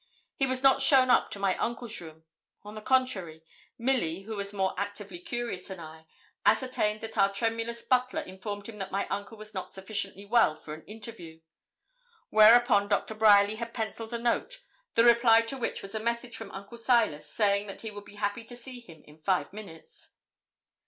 He was not shown up to my uncle's room; on the contrary, Milly, who was more actively curious than I, ascertained that our tremulous butler informed him that my uncle was not sufficiently well for an interview. Whereupon Dr. Bryerly had pencilled a note, the reply to which was a message from Uncle Silas, saying that he would be happy to see him in five minutes.